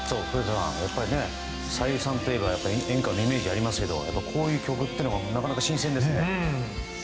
さゆりさんといえば演歌のイメージがありますがこういう曲はなかなか新鮮ですね。